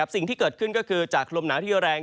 สิ่งที่เกิดขึ้นก็คือจากลมหนาวที่แรง